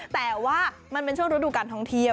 แต่ว่ามันเป็นช่วงฤดูการท่องเที่ยว